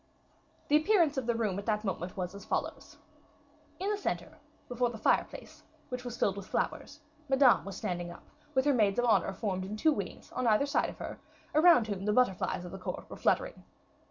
The appearance of the room at that moment was as follows: in the center, before the fireplace, which was filled with flowers, Madame was standing up, with her maids of honor formed in two wings, on either side of her; around whom the butterflies of the court were fluttering.